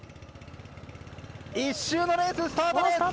１周のレース、スタートです！